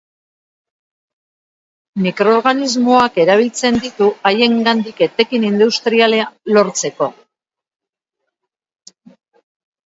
Mikroorganismoak erabiltzen ditu haiengandik etekin industriala lortzeko.